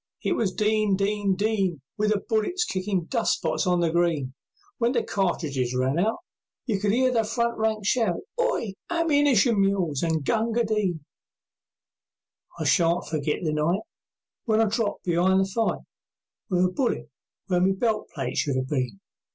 It was "Din! Din! Din!" With the bullet kickin' dust spots on the green; When the cartridges ran out, You could hear the front lines shout, "Hi! Ammunition mules an' Gunga Din!" I shan't forget the night When I dropped be'ind the fight With a bullet where my belt plate should have been.